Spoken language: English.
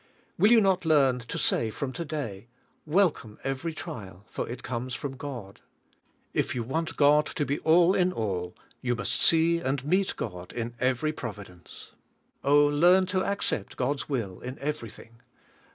Will you not learn to say from to day, "Welcome every trial, for it comes from God ?■' If you want God to be all in all, you must see and meet God in every providence. Oh, learn to accept God's will in everything!